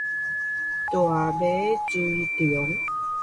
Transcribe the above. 大尾脽龍